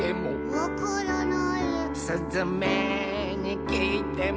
「わからない」「すずめにきいても」